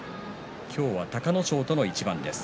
今日は隆の勝との一番です。